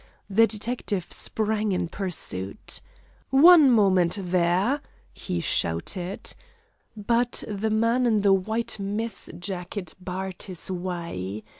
The detective sprang in pursuit. "One moment, there!" he shouted. But the man in the white mess jacket barred his way.